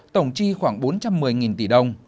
tổng tri khoảng bốn trăm một mươi nghìn tỷ đồng